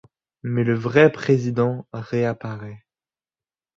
Mais le vrai Président réapparaît…